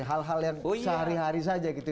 hal hal yang sehari hari saja gitu ya